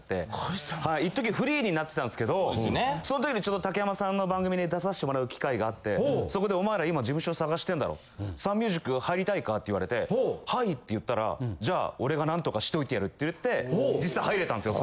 一時フリーになってたんですけどその時にちょうど竹山さんの番組に出させてもらう機会があってそこでお前ら今事務所探してんだろサンミュージック入りたいか？って言われてはいって言ったらじゃあ俺が何とかしといてやるって言って実際入れたんすよ